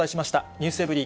ｎｅｗｓｅｖｅｒｙ．